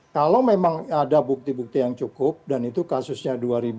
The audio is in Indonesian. kalau memang ada bukti bukti yang cukup dan itu kasusnya dua ribu dua puluh